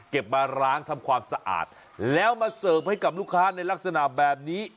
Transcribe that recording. มาล้างทำความสะอาดแล้วมาเสิร์ฟให้กับลูกค้าในลักษณะแบบนี้